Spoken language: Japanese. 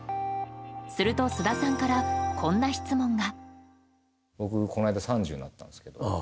すると菅田さんからこんな質問が。